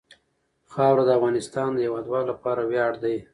خاوره د افغانستان د هیوادوالو لپاره ویاړ دی.